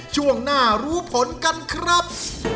ช่วงหน้ารู้ผลกันครับ